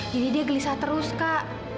jadi dia gelisah terus kak